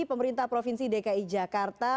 pemerintah provinsi dki jakarta